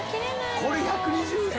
これ１２０円！？